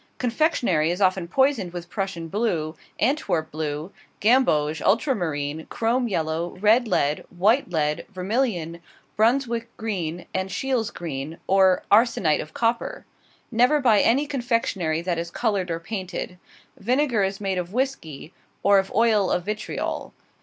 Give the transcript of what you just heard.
Confectionery is often poisoned with Prussian blue, Antwerp blue, gamboge, ultramarine, chrome yellow, red lead, white lead, vermilion, Brunswick green, and Scheele's green, or arsenite of copper! Never buy any confectionery that is colored or painted. Vinegar is made of whisky, or of oil of vitriol.